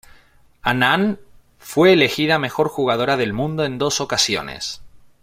Annan fue elegida mejor jugadora del Mundo en dos ocasiones.